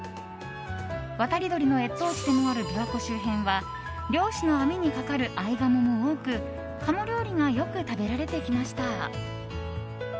渡り鳥の越冬地でもある琵琶湖周辺は漁師の網にかかる合鴨が多く鴨料理がよく食べられてきました。